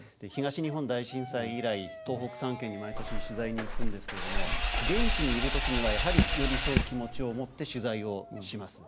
東日本大震災以来東北３県に毎年取材に行くんですけれども現地にいる時にはやはり寄り添う気持ちを持って取材をします。